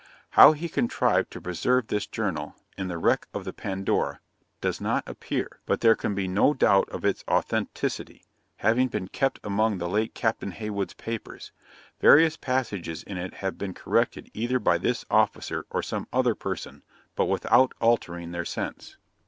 How he contrived to preserve this journal, in the wreck of the Pandora, does not appear; but there can be no doubt of its authenticity, having been kept among the late Captain Heywood's papers; various passages in it have been corrected either by this officer or some other person, but without altering their sense.